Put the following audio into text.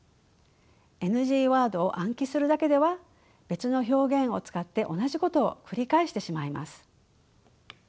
ＮＧワードを暗記するだけでは別の表現を使って同じことを繰り返してしまいます。